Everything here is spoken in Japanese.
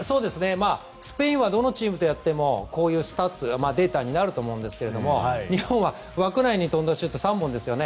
スペインはどのチームとやってもこういうスタッツになると思うんですけど日本は枠内のシュートが３本ですよね。